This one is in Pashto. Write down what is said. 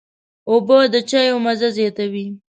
اوبه د چايو مزه زیاتوي.